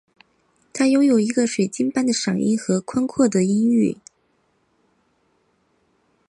她拥有一个水晶般的嗓音和宽阔的音域。